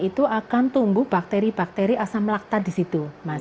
itu akan tumbuh bakteri bakteri asam lakta di situ